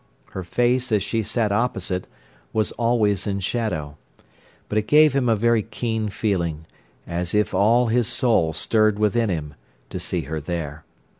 Her face, as she sat opposite, was always in shadow. But it gave him a very keen feeling, as if all his soul stirred within him, to see her there.